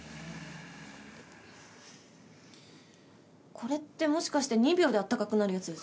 これってもしかして２秒で暖かくなるやつですか？